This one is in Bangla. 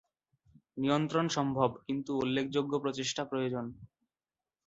নিয়ন্ত্রণ সম্ভব কিন্তু উল্লেখযোগ্য প্রচেষ্টা প্রয়োজন।